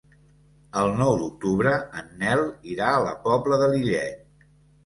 El nou d'octubre en Nel irà a la Pobla de Lillet.